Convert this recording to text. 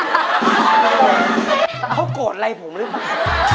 เขาโกรธอะไรผมหรือเปล่า